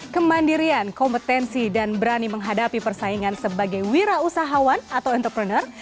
kemandirian kompetensi dan berani menghadapi persaingan sebagai wira usahawan atau entrepreneur